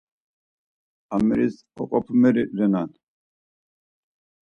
Ameris oqopumoni renan.